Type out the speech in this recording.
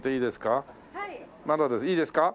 まだいいですか？